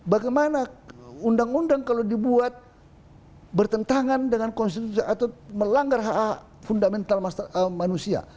bagaimana undang undang kalau dibuat bertentangan dengan konstitusi atau melanggar hak hak fundamental manusia